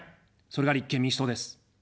それが立憲民主党です。